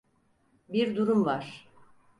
Bir durum var.